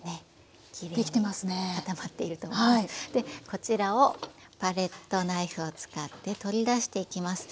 こちらをパレットナイフを使って取り出していきます。